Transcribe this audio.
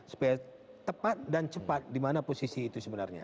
supaya tepat dan cepat di mana posisi itu sebenarnya